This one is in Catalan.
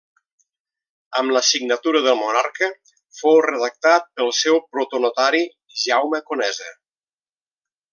Amb la signatura del monarca, fou redactat pel seu protonotari, Jaume Conesa.